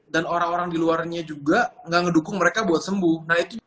dan orang orang di luarnya juga gak ngedukung mereka buat sembuh